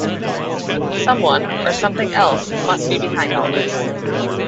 Someone, or something else must be behind all this.